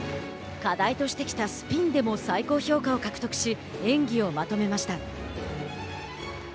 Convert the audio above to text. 課題としてきたスピンでも最高評価を獲得し演技をまとめました。